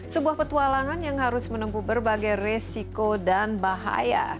sebuah petualangan yang harus menempuh berbagai resiko dan bahaya